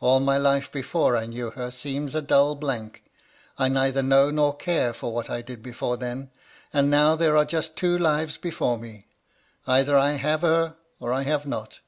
All my life before I knew her, seems a dull blank. I neither know nor care for what I did before then. And now there are just two lives before me. Either I have her, or I have not.